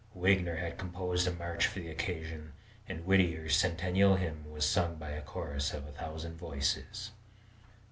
Wagner had composed a march for the occasion and Whittier's "Centennial Hymn" was sung by a chorus of a thousand voices.